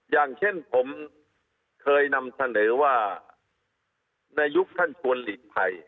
อย่างเช่นผมเคยนำเสนอว่าในยุคท่านชวนหลีกภัย